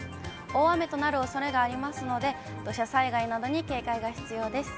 大雨となるおそれがありますので、土砂災害などに警戒が必要です。